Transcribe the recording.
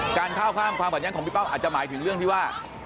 การข้ามความขัดแย้งของพี่เป้าอาจจะหมายถึงเรื่องที่ว่า